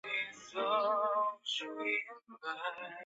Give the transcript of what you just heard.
葵芳邨。